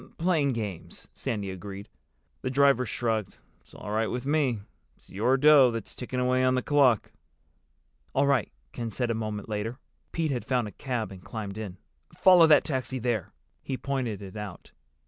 "Playing games," Sandy agreed. The driver shrugged. "It's all right with me. It's your dough that's ticking away on the clock." "All right," Ken said a moment later. Pete had found a cab and climbed in. "Follow that taxi there." He pointed it out.